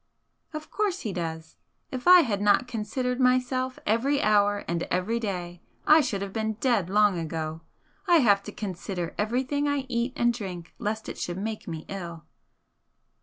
"Of course he does. If I had not considered myself every hour and every day, I should have been dead long ago. I have to consider everything I eat and drink lest it should make me ill."